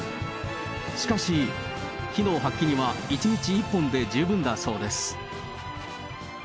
しかし、機能発揮には１日１本で十分だそうです。